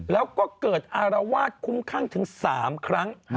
แล้วก็เกิดอารวาสคุ้มข้างถึง๓ครั้ง